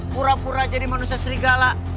pura pura jadi manusia serigala